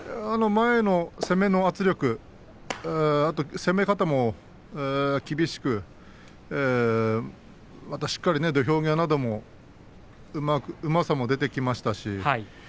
前への攻めの圧力攻め方も厳しく、また、しっかりと土俵際もうまさが出てきています。